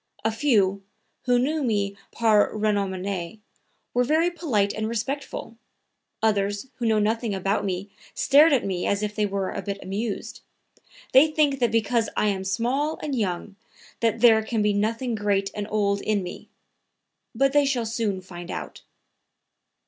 A few, who knew me par renommee, were very polite and respectful; others who know nothing about me stared at me as if they were a bit amused. They think that because I am small and young that there can be nothing great and old in me. But they shall soon find out."